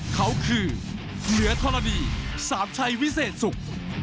เขาคือเหนือธรณีสามชัยวิเศษสุข